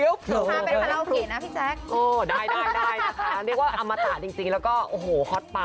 ยุคเพลงไทยด้วยนะคะ